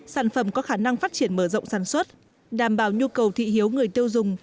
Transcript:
sản phẩm có khả năng phát triển mở rộng sản xuất đảm bảo nhu cầu thị hiếu người tiêu dùng